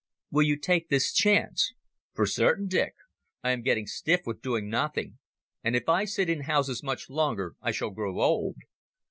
"Will you take this chance?" "For certain, Dick. I am getting stiff with doing nothing, and if I sit in houses much longer I shall grow old.